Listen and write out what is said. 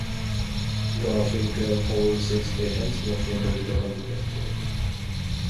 Garfinkel holds six patents, mostly in the field of computer security.